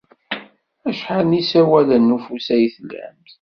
Acḥal n yisawalen n ufus ay tlam?